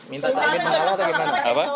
minta caimin mengalah atau bagaimana